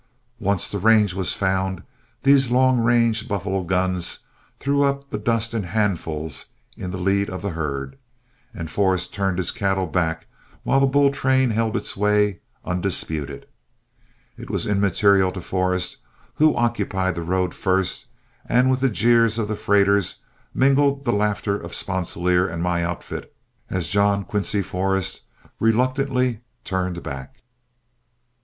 Once the range was found, those long range buffalo guns threw up the dust in handfuls in the lead of the herd, and Forrest turned his cattle back, while the bull train held its way, undisputed. It was immaterial to Forrest who occupied the road first, and with the jeers of the freighters mingled the laughter of Sponsilier and my outfit, as John Quincy Forrest reluctantly turned back.